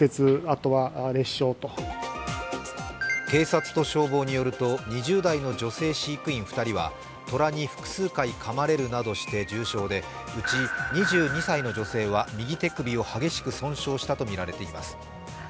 警察と消防によると２０代の女性飼育員２人は虎に複数回かまれるなどして重傷で、うち２２歳の女性は右手首を激しく損傷したとみられています。